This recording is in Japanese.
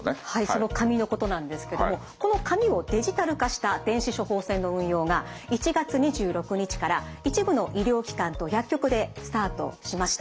その紙のことなんですけどもこの紙をデジタル化した電子処方箋の運用が１月２６日から一部の医療機関と薬局でスタートしました。